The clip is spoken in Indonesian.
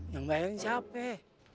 yang bayarin siapa ya